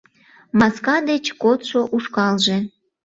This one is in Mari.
Маска деч кодшо ушкалже